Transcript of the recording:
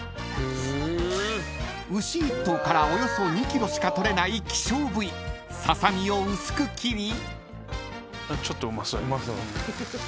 ［牛一頭からおよそ２ｋｇしか取れない希少部位ササミを薄く切り］